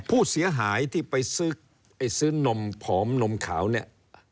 ผู้เสียหายที่ไปซื้อนมผอมนมขาวเนี่ย